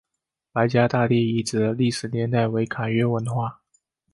白家大地遗址的历史年代为卡约文化。